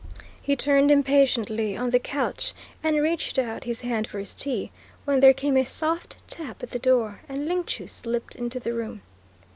He turned impatiently on the couch and reached out his hand for his tea, when there came a soft tap at the door and Ling Chu slipped into the room.